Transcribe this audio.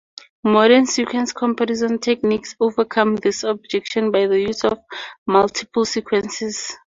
Modern sequence comparison techniques overcome this objection by the use of multiple sequences.